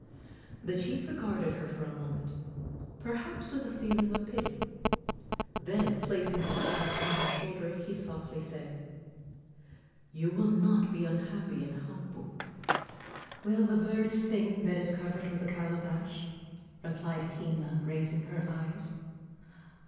The chief regarded her for a moment, perhaps with a feeling of pity; then, placing his hand upon her shoulder, he softly said: "You will not be unhappy in Haupu." "Will the bird sing that is covered with a calabash?" replied Hina, raising her eyes.